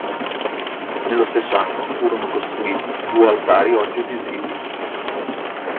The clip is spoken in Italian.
Nello stesso anno furono costruiti i due altari oggi visibili.